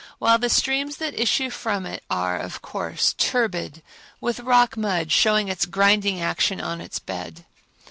while the streams that issue from it are, of course, turbid with rock mud, showing its grinding action on its bed.